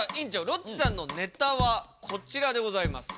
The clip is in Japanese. ロッチさんのネタはこちらでございます。